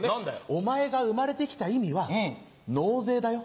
お前が生まれて来た意味は納税だよ。